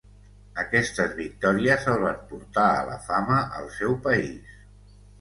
Aquestes victòries el van portar a la fama al seu país.